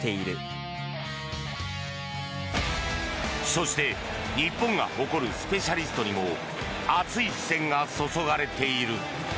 そして、日本が誇るスペシャリストにも熱い視線が注がれている。